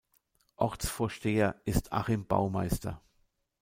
Ortsvorsteher ist Achim Baumeister.